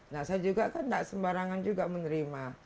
nah saya juga kan tidak sembarangan juga menerima